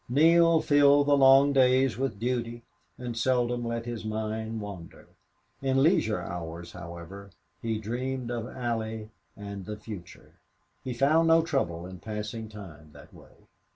Neale filled the long days with duty and seldom let his mind wander. In leisure hours, however, he dreamed of Allie and the future. He found no trouble in passing time that way.